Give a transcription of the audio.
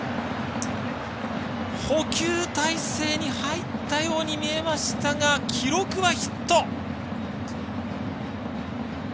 捕球体勢に入ったように見えましたが記録はヒット。